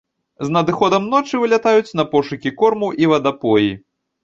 З надыходам ночы вылятаюць на пошукі корму і вадапоі.